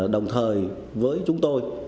đồng thời với chúng tôi